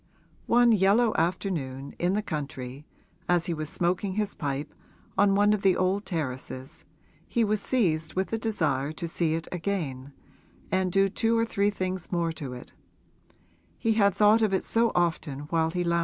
One yellow afternoon, in the country, as he was smoking his pipe on one of the old terraces he was seized with the desire to see it again and do two or three things more to it: he had thought of it so often while he lounged there.